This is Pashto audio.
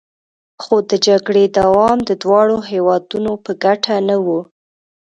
خو د جګړې دوام د دواړو هیوادونو په ګټه نه و